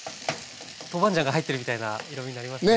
豆板醤が入ってるみたいな色みになりますね。